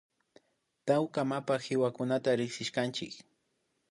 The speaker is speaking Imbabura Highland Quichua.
Tawka mapa kiwakunata rikshishkanchik